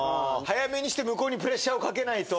早めにしてプレッシャーをかけないと。